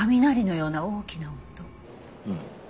うん。